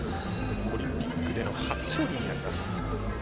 オリンピックでの初勝利になります。